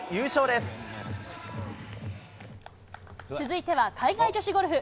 続いては海外女子ゴルフ。